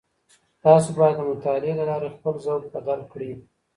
تاسو بايد د مطالعې له لاري خپل ذوق بدل کړئ.